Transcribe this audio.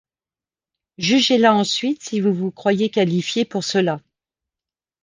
Jugez-la ensuite, si vous vous croyez qualifié pour cela ;